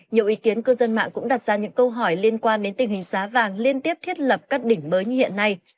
nhiều ý kiến cư dân mạng cũng đặt ra những câu hỏi liên quan đến tình hình giá vàng liên tiếp thiết lập các đỉnh mới như hiện nay